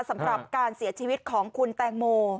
สำหรับการเสียชีวิตของคุณแตงโม